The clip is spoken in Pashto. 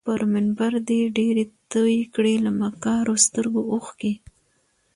پر منبر دي ډیري توی کړې له مکارو سترګو اوښکي